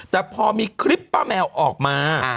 แต่พอมีคลิปป้าแมวออกมา